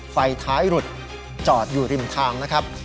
ไฟท้ายหลุดจอดอยู่ริมทางนะครับ